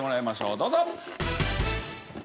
どうぞ。